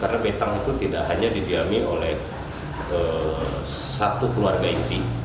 karena betang itu tidak hanya didiami oleh satu keluarga inti